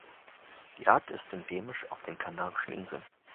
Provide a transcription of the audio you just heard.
Die Art ist endemisch auf den Kanarischen Inseln.